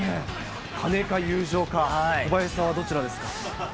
金か友情か、小林さんはどちらですか？